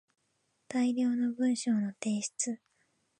大量の文章の提出